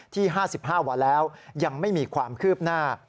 ที่๕๕วันแล้วยังไม่มีความคืบหน้า